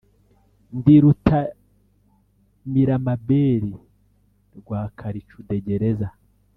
Ndi Rutamiramaberi rwa Karicudegereza